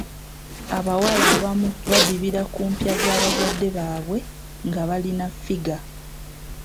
Abawala abamu badibira ku mpya za bazadde baabwe nga balina ffiga.